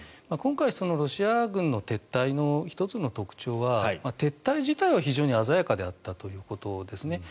今回ロシア軍の撤退の１つの特徴は撤退自体は非常に鮮やかであったということです。